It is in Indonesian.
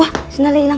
wah sandalnya hilang